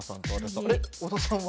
織田さんは？